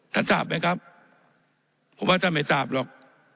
ทราบไหมครับผมว่าท่านไม่ทราบหรอก